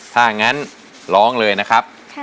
ถ้างั้นร้องเลยนะครับ